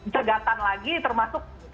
cegatan lagi termasuk